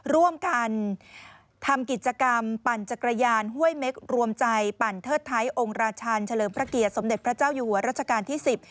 ร่วมกันทำกิจกรรมปั่นจักรยานห้วยเม็กรวมใจปั่นเทิดไทยองค์ราชันเฉลิมพระเกียรติสมเด็จพระเจ้าอยู่หัวรัชกาลที่๑๐